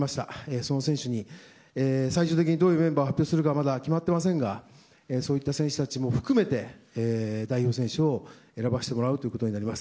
その選手に、最終的にどういうメンバーを発表するかまだ決まっていませんがそういった選手たちも含めて代表選手を選ばせてもらうことになります。